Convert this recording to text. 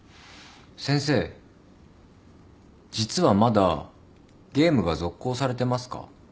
先生実はまだゲームが続行されてますか？